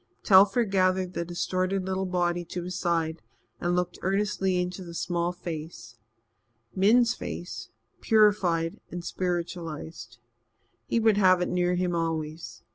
Telford gathered the distorted little body to his side and looked earnestly into the small face Min's face, purified and spiritualized. He would have it near him always.